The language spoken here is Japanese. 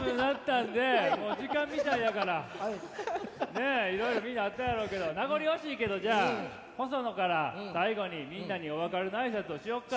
ねっいろいろみんなあったやろうけど名残惜しいけどじゃあホソノから最後にみんなにお別れの挨拶をしようか。